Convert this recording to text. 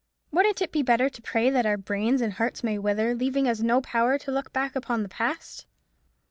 Wouldn't it be better to pray that our brains and hearts may wither, leaving us no power to look back upon the past?